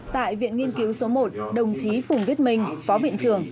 tại viện nghiên cứu số một đồng chí phùng viết minh phó viện trưởng